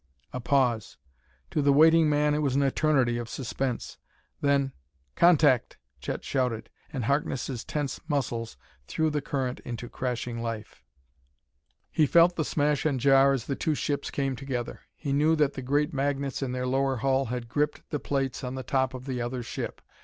A pause. To the waiting man it was an eternity of suspense. Then, "Contact!" Chet shouted, and Harkness' tense muscles threw the current into crashing life. He felt the smash and jar as the two ships came together. He knew that the great magnets in their lower hull had gripped the plates on the top of the other ship.